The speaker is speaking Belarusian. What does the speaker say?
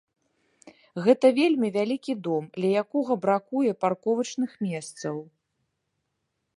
Гэта вельмі вялікі дом, ля якога бракуе парковачных месцаў.